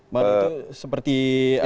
manu itu seperti ada